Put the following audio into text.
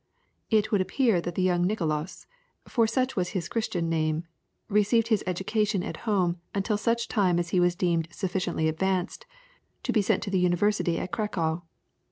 It would appear that the young Nicolaus, for such was his Christian name, received his education at home until such time as he was deemed sufficiently advanced to be sent to the University at Cracow.